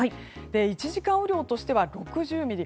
１時間雨量としては６０ミリ。